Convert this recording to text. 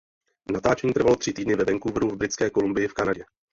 Natáčení trvalo tři týdny ve Vancouveru v Britské Kolumbii v Kanadě.